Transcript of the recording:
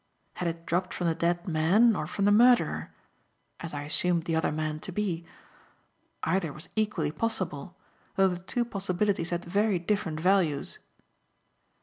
Had it dropped from the dead man or from the murderer as I assumed the other man to be? Either was equally possible, though the two possibilities had very different values.